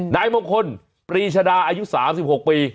นายมงคลปรีชดาอายุ๓๖ปี